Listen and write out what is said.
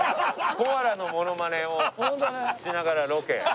コアラのモノマネをしながらロケ。